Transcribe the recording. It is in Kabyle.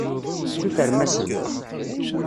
Sutrem-asen.